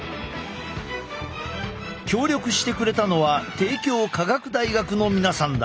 協力してくれたのは帝京科学大学の皆さんだ。